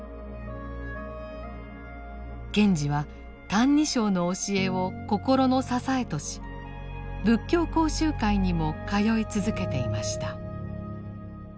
賢治は「歎異抄」の教えを心の支えとし仏教講習会にも通い続けていました。